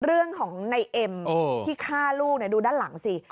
เรื่องของในเอ็มที่ฆ่าลูกดูด้านหลังสิ